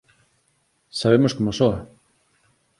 Sabemos como soa...